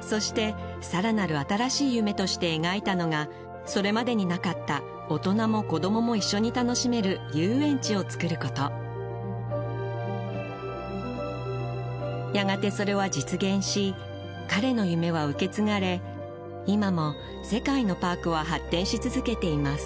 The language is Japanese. そしてさらなる新しい夢として描いたのがそれまでになかった大人も子供も一緒に楽しめる遊園地をつくることやがてそれは実現し彼の夢は受け継がれ今も世界のパークは発展し続けています